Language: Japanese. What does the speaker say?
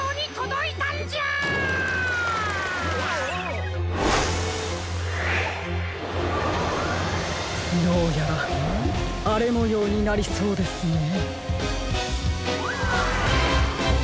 どうやらあれもようになりそうですね。